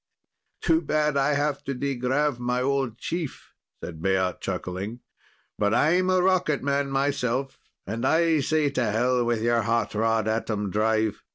"Too bad I have to degrav my old chief," said Baat, chuckling. "But I'm a rocket man, myself, and I say to hell with your hot rod atom drive.